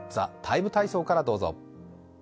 「ＴＨＥＴＩＭＥ，体操」からどうぞ。